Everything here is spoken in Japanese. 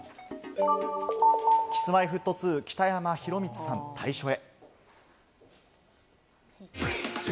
Ｋｉｓ−Ｍｙ−Ｆｔ２・北山宏光さん、退所へ。